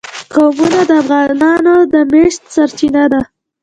قومونه د افغانانو د معیشت سرچینه ده.